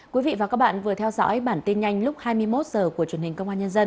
quý vị và các bạn vừa theo dõi bản tin nhanh lúc hai mươi một h